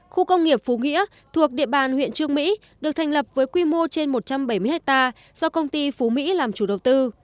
khu công nghiệp phú nghĩa thuộc địa bàn huyện trương mỹ được thành lập với quy mô trên một trăm bảy mươi hectare do công ty phú mỹ làm chủ đầu tư